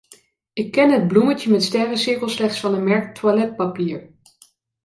Ik ken het bloemetje met sterrencirkel slechts van een merk toiletpapier.